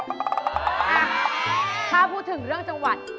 ถ้าการพูดถึงเรื่องจังหวัด